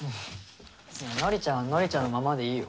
そんな典ちゃんは典ちゃんのままでいいよ。